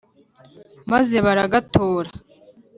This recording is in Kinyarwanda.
Maze baragatora